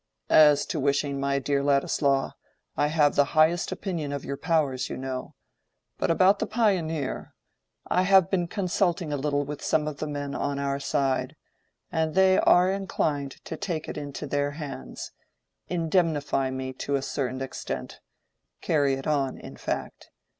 "As to wishing, my dear Ladislaw, I have the highest opinion of your powers, you know. But about the 'Pioneer,' I have been consulting a little with some of the men on our side, and they are inclined to take it into their hands—indemnify me to a certain extent—carry it on, in fact.